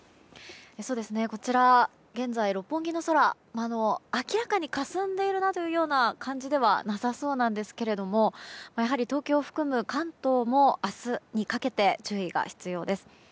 こちら現在、六本木の空は明らかにかすんでいるなという感じではなさそうなんですけれどもやはり東京を含む関東も明日にかけて注意が必要です。